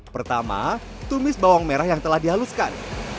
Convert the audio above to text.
pertama tumis bawang merah yang telah dihaluskan